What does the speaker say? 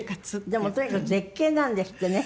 でもとにかく絶景なんですってね。